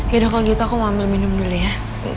yaudah kalau gitu aku mau ambil minum dulu ya